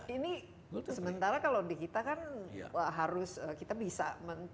ini sementara kalau di kita kan harus kita bisa